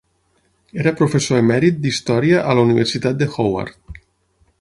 Era professor emèrit d'història a la Universitat de Howard.